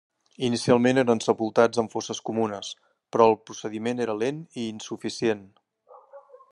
Inicialment eren sepultats en fosses comunes, però el procediment era lent i insuficient.